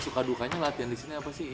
suka dukanya latihan di sini apa sih